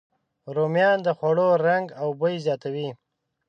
رومیان د خوړو رنګ او بوی زیاتوي